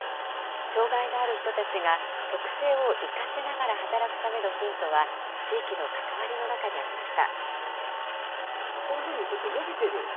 障害がある人たちが特性を生かしながら働くためのヒントは、地域の関わりの中にありました。